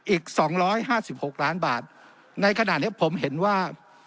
อีกสองร้อยห้าสิบหกล้านบาทในขณะนี้ผมเห็นว่า